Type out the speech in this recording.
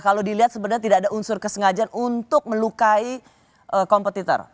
kalau dilihat sebenarnya tidak ada unsur kesengajaan untuk melukai kompetitor